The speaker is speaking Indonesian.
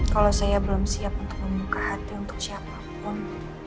kalau saya belum siap untuk membuka hati untuk siapapun